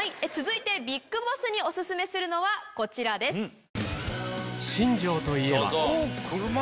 続いてＢＩＧＢＯＳＳにおすすめするのはこちらです。